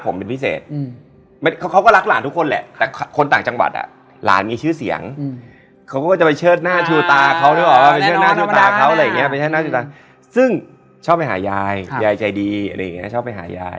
มากกว่าเขาก็เลยไม่ได้